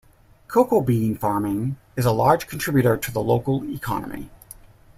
Cocoa bean farming is a large contributor to the local economy.